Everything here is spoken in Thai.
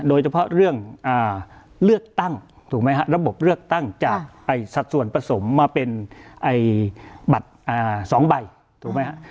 โดยเฉพาะเรื่องเลือกตั้งรับบบเลือกตั้งจากสัดส่วนผสมมาเป็นบัตรสองใบ